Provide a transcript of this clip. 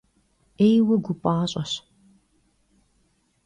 'êyue gu p'aş'eş.